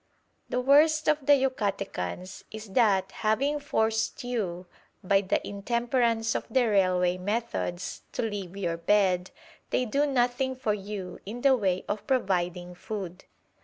The worst of the Yucatecans is that, having forced you, by the intemperance of their railway methods, to leave your bed, they do nothing for you in the way of providing food.